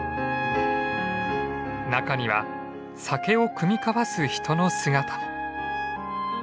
中には酒を酌み交わす人の姿も。